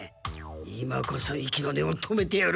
今こそ息の根を止めてやる！